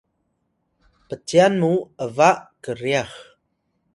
pcyan mu ’ba kryax